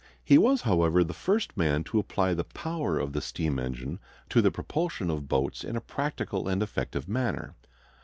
He was, however, the first man to apply the power of the steam engine to the propulsion of boats in a practical and effective manner.